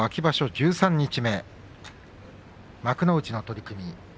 十三日目幕内の取組